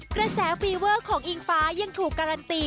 กระแสฟีเวอร์ของอิงฟ้ายังถูกการันตี